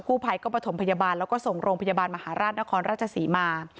ภัยก็ประถมพยาบาลแล้วก็ส่งโรงพยาบาลมหาราชนครราชศรีมา